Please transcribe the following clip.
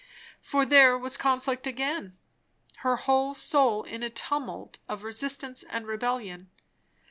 For there was conflict again; her whole soul in a tumult of resistance and rebellion.